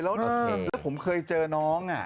แล้วผมเคยเห็นน้องอ่ะ